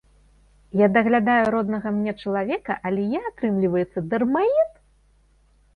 Я даглядаю роднага мне чалавека, але я, атрымліваецца, дармаед?